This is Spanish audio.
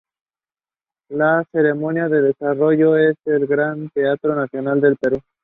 La ceremonia se desarrolló en el Gran Teatro Nacional del Perú.